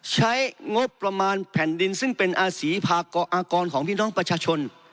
ใช้งบประมาณแผ่นดินซึ่งเป็นอาศีพากรอากรของพี่น้องประชาชน